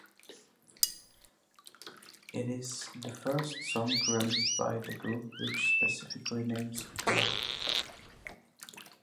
It is the first song released by the group which specifically names a girl.